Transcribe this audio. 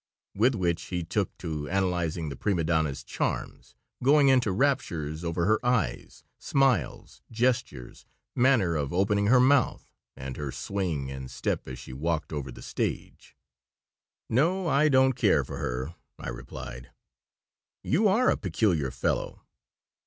With which he took to analyzing the prima donna's charms, going into raptures over her eyes, smile, gestures, manner of opening her mouth, and her swing and step as she walked over the stage "No, I don't care for her," I replied "You are a peculiar fellow."